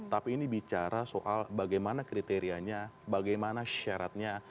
tapi ini bicara soal bagaimana kriterianya bagaimana syaratnya